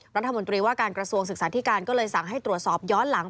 รัฐมนตรีว่าการกระทรวงศึกษาธิการก็เลยสั่งให้ตรวจสอบย้อนหลัง